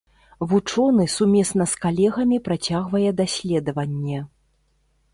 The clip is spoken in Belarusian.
Вучоны сумесна з калегамі працягвае даследаванне.